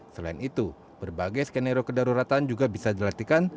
selain itu berbagai skenario kedaruratan juga bisa dilatihkan